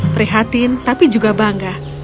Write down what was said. prihatin tapi juga bangga